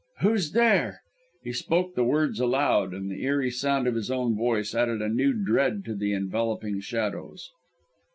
"Who's there?" He spoke the words aloud, and the eerie sound of his own voice added a new dread to the enveloping shadows.